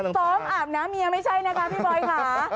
ซ้อมอาบน้ำเมียไม่ใช่นะคะพี่บอยค่ะ